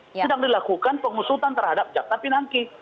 sedang dilakukan pengusutan terhadap jaksa pinangki